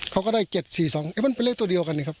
เขาก็ได้เก็ดสี่สองเอ๊ะมันเป็นเลขตัวเดียวกันนะครับ